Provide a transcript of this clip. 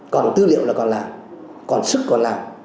còn tư liệu là còn làm còn sức còn làm